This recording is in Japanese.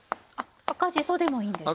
赤じそでもいいんですね。